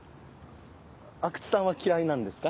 阿久津さんは嫌いなんですか？